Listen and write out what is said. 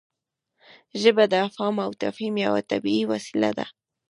ژبه د افهام او تفهیم یوه طبیعي وسیله ده.